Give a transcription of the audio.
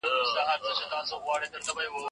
زړور سرتیري په جګړه کي بریالي کیږي.